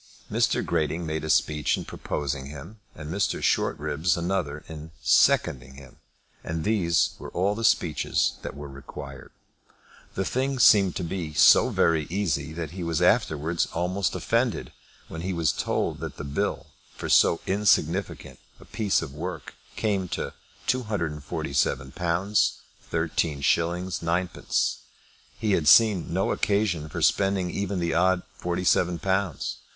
Mr. Grating made a speech in proposing him, and Mr. Shortribs another in seconding him; and these were all the speeches that were required. The thing seemed to be so very easy that he was afterwards almost offended when he was told that the bill for so insignificant a piece of work came to £247 13s. 9d. He had seen no occasion for spending even the odd forty seven pounds.